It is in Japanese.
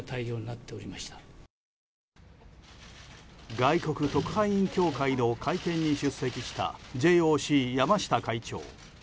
外国特派員協会の会見に出席したＪＯＣ山下会長。